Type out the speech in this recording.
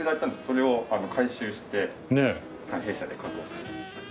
それを回収して弊社で加工して。